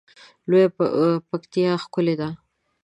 لویه پکتیا ښکلی ده